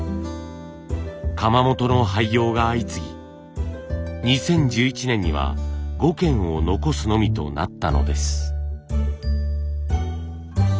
窯元の廃業が相次ぎ２０１１年には５軒を残すのみとなったのです。